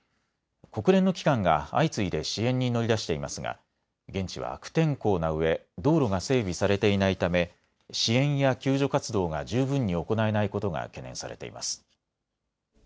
国連の機関が相次いで支援に乗り出していますが現地は悪天候なうえ道路が整備されていないため支援や救助活動が十分に行えないことが懸念されています。